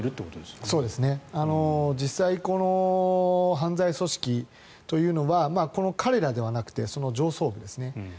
実際、この犯罪組織というのはこの彼らではなくて上層部ですね。